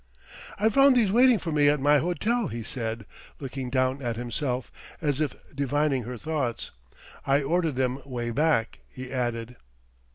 "I found these waiting for me at my hotel," he said, looking down at himself, as if divining her thoughts. "I ordered them way back," he added.